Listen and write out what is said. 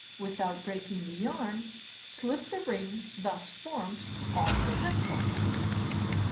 With out breaking the yarn slip the ring thus formed off the pencil.